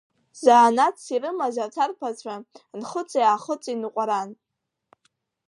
Занааҭс ирымаз арҭ арԥарцәа Нхыҵи-Аахыҵи ныҟәаран.